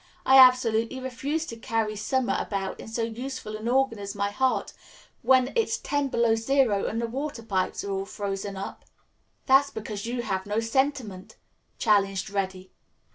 I absolutely refuse to carry summer about in so useful an organ as my heart, when it's ten below zero and the water pipes are all frozen up." "That is because you have no sentiment," challenged Reddy.